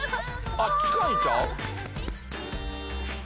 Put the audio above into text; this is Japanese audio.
あ近いんちゃう？